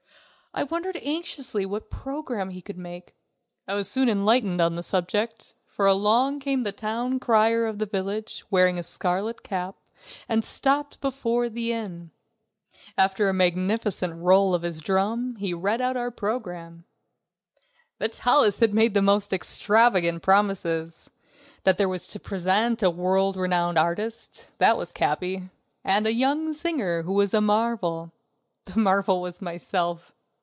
I wondered anxiously what program he could make. I was soon enlightened on this subject, for along came the town crier of the village, wearing a scarlet cap, and stopped before the inn. After a magnificent roll of his drum he read out our program. Vitalis had made the most extravagant promises! There was to be present a world renowned artist that was Capi and a young singer who was a marvel; the marvel was myself.